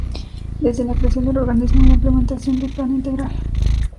Desde la creación del organismo y la implementación del Plan Integral.